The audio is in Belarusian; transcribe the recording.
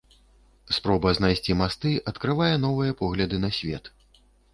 Спроба знайсці масты адкрывае новыя погляды на свет.